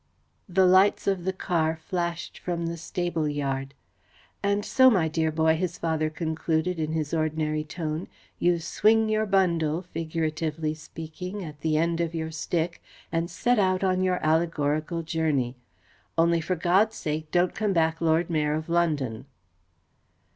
The lights of the car flashed from the stable yard. "And so, my dear boy," his father concluded, in his ordinary tone, "you swing your bundle, figuratively speaking, at the end of your stick, and set out on your allegorical journey. Only, for God's sake, don't come back Lord Mayor of London!"